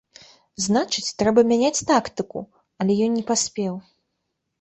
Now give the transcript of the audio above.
Значыць, трэба мяняць тактыку, але ён не паспеў.